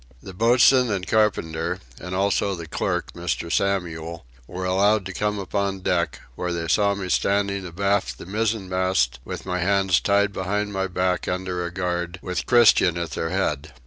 The boatswain and carpenter, and also the clerk, Mr. Samuel, were allowed to come upon deck, where they saw me standing abaft the mizenmast with my hands tied behind my back under a guard with Christian at their head.